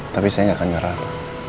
tapi saya gak akan ngerah